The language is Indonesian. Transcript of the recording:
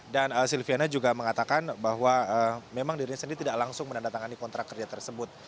dan silviana juga mengatakan bahwa memang dirinya sendiri tidak langsung menandatangani kontrak kerja tersebut